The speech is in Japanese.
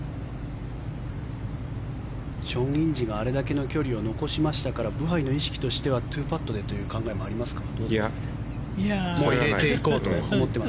チョン・インジがあれだけの距離を残しましたからブハイの意識としては２パットでという考えもありますか？